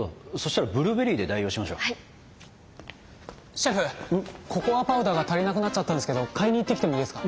シェフココアパウダーが足りなくなっちゃったんですけど買いに行ってきてもいいですか？